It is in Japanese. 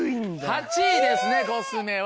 ８位ですねコスメは。